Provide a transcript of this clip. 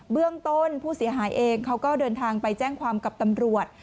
เรื่องต้นผู้เสียหายเองเขาก็เดินทางไปแจ้งความกับตำรวจ